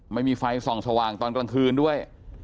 ไม่มีไฟส่องสว่างตอนกลางคืนด้วย